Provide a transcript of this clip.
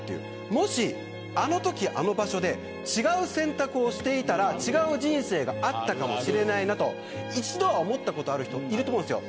もし、あのとき、あの場所で違う選択をしていたら違う人生があったかもしれないなと一度は思ったことある人いると思うんですよ。